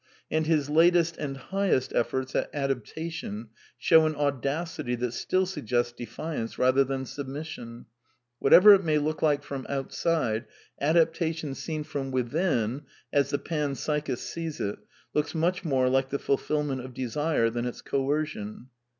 And his latest and highest efforts at adaptation show an audacity that still suggests defiance rather than submission. What ever it may look like from outside, adaptation seen from within, as the pan psychist sees it, looks much more like the fulfilment of desire than its coercion.